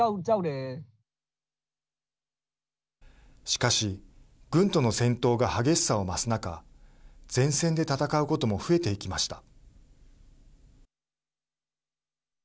しかし軍との戦闘が激しさを増す中前線で戦うことも増えていきました。